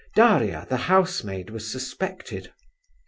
Daria, the housemaid was suspected.